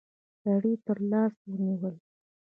سړي تر لاس ونيوله.